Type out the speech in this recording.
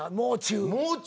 もう中。